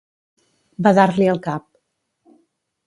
Badar-li el cap.